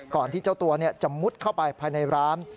ที่เจ้าตัวจะมุดเข้าไปภายในร้าน